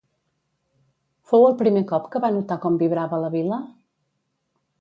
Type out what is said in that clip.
Fou el primer cop que va notar com vibrava la vila?